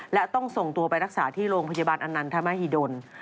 และต้องส่งตัวไปรักษาที่โรงพยาบาลอนันทมหิดล